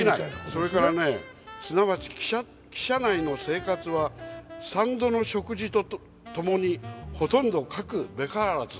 それからね「すなわち汽車内の生活は三度の食事とともにほとんど欠くべからず」。